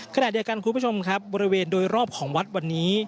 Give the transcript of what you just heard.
ขณะเดียวกันคุณผู้ชมครับบริเวณโดยรอบของวัดวันนี้